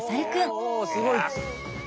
おおすごい。